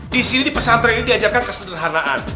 di sini di pesantren ini diajarkan kesederhanaan